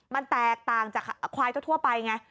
มันแตกต่างจากควายทั่วไปไง